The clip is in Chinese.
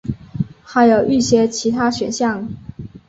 还有一些其他选项。